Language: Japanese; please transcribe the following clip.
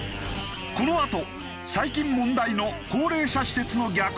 このあと最近問題の高齢者施設の虐待の実情とは？